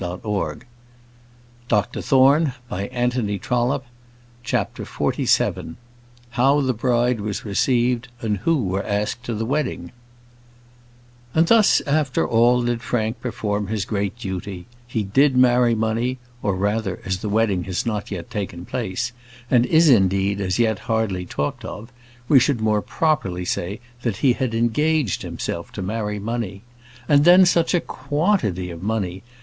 my own Frank! we shall never be separated now." CHAPTER XLVII How the Bride Was Received, and Who Were Asked to the Wedding And thus after all did Frank perform his great duty; he did marry money; or rather, as the wedding has not yet taken place, and is, indeed, as yet hardly talked of, we should more properly say that he had engaged himself to marry money. And then, such a quantity of money!